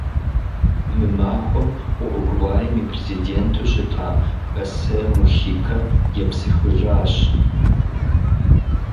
Мы махуэхэм Уругваим и президенту щыта Хосе Мухикэ епсыхыжащ.